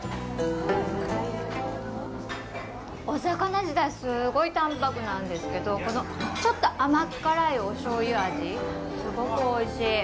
お魚自体、すごい淡白なんですけど、このちょっと甘辛いお醤油味、すごくおいしい！